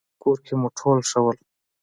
کور کې مو ټول ښه وو؟